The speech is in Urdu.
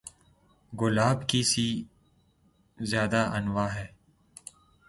گلاب کی سے زیادہ انواع ہیں